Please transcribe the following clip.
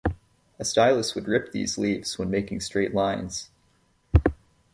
A stylus would rip these leaves when making straight lines.